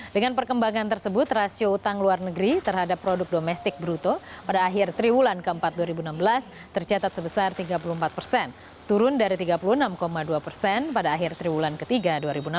dengan perkembangan tersebut rasio utang luar negeri terhadap produk domestik bruto pada akhir triwulan keempat dua ribu enam belas tercatat sebesar tiga puluh empat persen turun dari tiga puluh enam dua persen pada akhir triwulan ketiga dua ribu enam belas